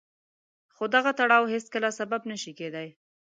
خو دغه تړاو هېڅکله سبب نه شي کېدای.